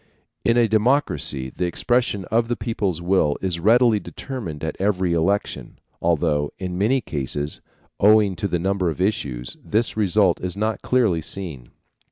In a democracy the expression of the people's will is readily determined at every election, although in many cases, owing to the number of issues, this result is not clearly seen.